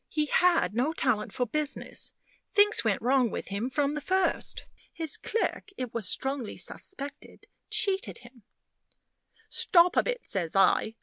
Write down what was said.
He had no talent for business; things went wrong with him from the first. His clerk, it was strongly suspected, cheated him " "Stop a bit," says I.